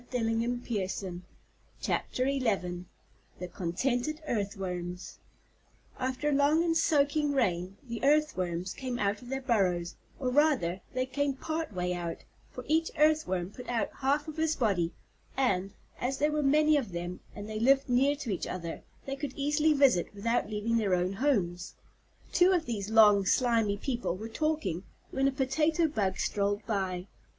THE CONTENTED EARTHWORMS After a long and soaking rain, the Earthworms came out of their burrows, or rather, they came part way out, for each Earthworm put out half of his body, and, as there were many of them and they lived near to each other, they could easily visit without leaving their own homes. Two of these long, slimy people were talking, when a Potato Bug strolled by.